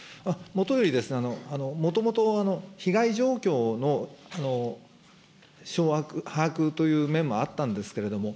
もとより、もともと、被害状況の掌握、把握という面もあったんですけれども、